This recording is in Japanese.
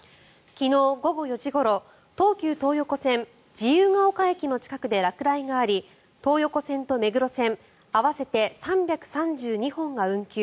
昨日午後４時ごろ東急東横線自由が丘駅の近くで落雷があり東横線と目黒線合わせて３３２本が運休。